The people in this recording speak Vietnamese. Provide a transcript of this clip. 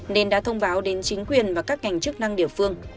nên đã thông báo đến chính quyền và các ngành chức năng địa phương